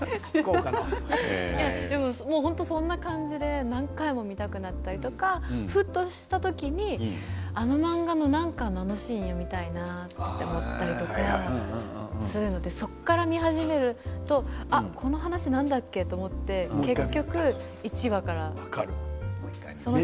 そんな感じで何回も見たくなったりとかふとした時に、あの漫画の何巻のあのシーンが見たいんだよみたいなと思ったりとかそこから読み始めるとこの話、何だっけと思って結局１話から。